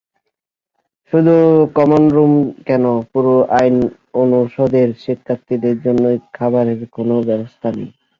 শুধু কমনরুম কেন, পুরো আইন অনুষদের শিক্ষার্থীদের জন্যই খাবারের কোনো ব্যবস্থা নেই।